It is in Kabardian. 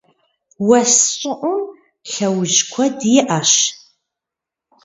Уэс щӀыӀум лъэужь куэд иӀэщ.